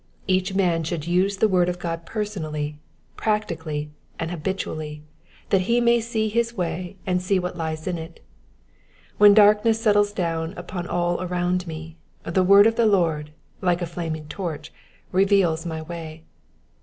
Each man should use the word of Goa personally, practically, and habitually, that he may see his way and see what lies in it. When darkness settles down upon all around me, the word of the Lord, like a flaming torch, reveals my way.